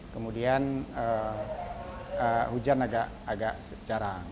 kemudian hujan agak secara